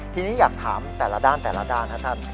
ทีนี้อยากถามแต่ละด้านนะท่าน